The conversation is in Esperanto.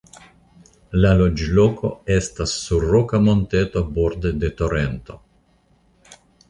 La loĝloko estas sur roka monteto borde de torento.